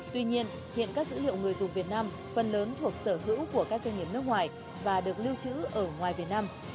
tuy nhiên hiện các dữ liệu người dùng việt nam phần lớn thuộc sở hữu của các doanh nghiệp nước ngoài và được lưu trữ ở ngoài việt nam